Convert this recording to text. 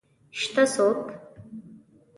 شته څوک؟